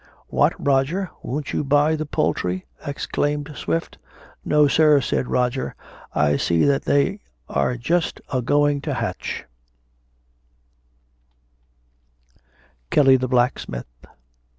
"What, Roger, won't you buy the poultry?" exclaimed Swift. "No, sir," said Roger, "I see they are just a'going to Hatch." KELLY THE BLACKSMITH.